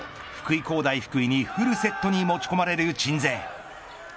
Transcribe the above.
工大福井にフルセットに持ち込まれる鎮西。